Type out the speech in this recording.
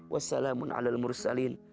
wassalamun ala almursalin